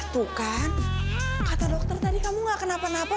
tuh kan kata dokter tadi kamu nggak kenapa napa